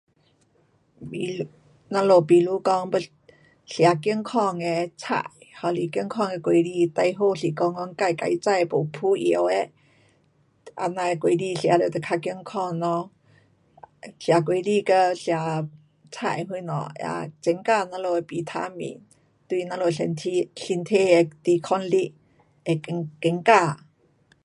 比如，咱们比如讲要吃健康的菜，还是健康的果子，最好是讲讲自自种没喷药的。这样的果子吃了就较健康咯。吃果子跟吃菜什么也增加咱们的维他命，对咱们身体的抵抗力会增加。